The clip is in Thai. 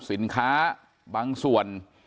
สินค้าบางส่วน